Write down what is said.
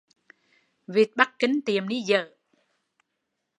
Vịt Bắc Kinh tiệm ni dở